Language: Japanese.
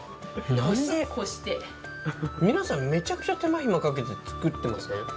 なんで、皆さん、めちゃくちゃ手間暇かけて作ってません？